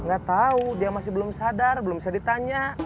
gak tau dia masih belum sadar belum bisa ditanya